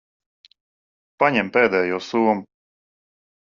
Paņem pēdējo somu.